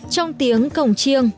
trong tiếng cổng chiêng